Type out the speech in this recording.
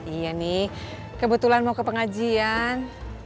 iya nih kebetulan mau ke pengajian